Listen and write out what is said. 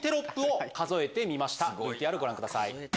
ＶＴＲご覧ください。